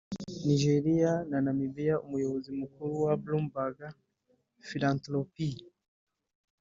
Nigeria na Namibia; Umuyobozi Mukuru wa Bloomberg Philanthropies